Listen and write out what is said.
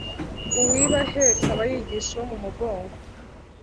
uwiba ahetse aba yigisha uwo mugongo